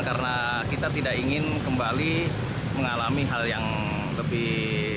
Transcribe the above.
karena kita tidak ingin kembali mengalami hal yang lebih